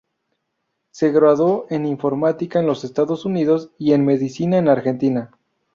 Se graduó en Informática en los Estados Unidos y en Medicina en Argentina.